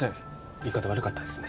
言い方悪かったですね